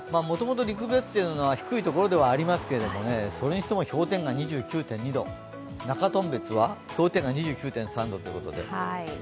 もともと陸別というのは低いところではありますけどね、それにしても氷点下２９．２度、中頓別は氷点下２９．３度ということで。